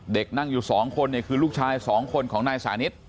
เด็กนั่งอยู่สองคนเนี่ยคือลูกชายสองคนของนายสานิต